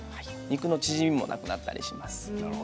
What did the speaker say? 肉の縮みもなくなります。